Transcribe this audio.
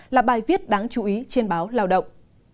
là bài viết đáng chú ý trên báo lao động